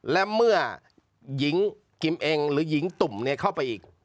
และเมื่อหญิงกิมเองหรือหญิงตุ่มเข้าไปอีก